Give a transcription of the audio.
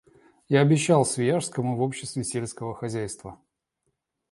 Я обещал Свияжскому в Общество сельского хозяйства.